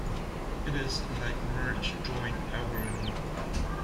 It is like merge join algorithm.